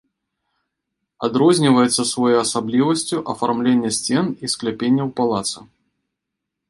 Адрозніваецца своеасаблівасцю афармленне сцен і скляпенняў палаца.